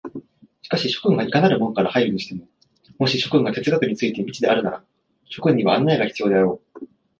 しかし諸君がいかなる門から入るにしても、もし諸君が哲学について未知であるなら、諸君には案内が必要であろう。